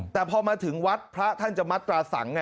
แต่พอมาถึงวัดพระท่านจะมัตราสังไง